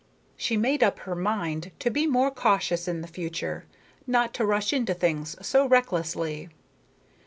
She made up her mind to be more cautious in the future, not to rush into things so recklessly.